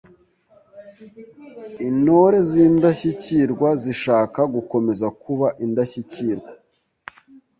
Intore z’indashyikirwa zishaka gukomeza kuba indashyikirwa,